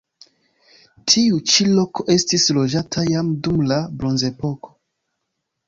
Tiu ĉi loko estis loĝata jam dum la bronzepoko.